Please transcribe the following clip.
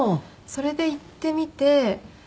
それで行ってみて。